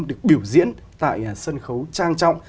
được biểu diễn tại sân khấu trang trọng